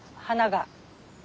花が。